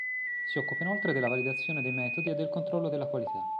Si occupa inoltre della validazione dei metodi e del controllo della qualità.